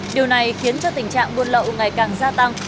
điều này khiến cho tình trạng buôn lậu ngày càng gia tăng